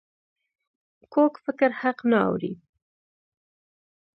کوږ فکر حق نه اوري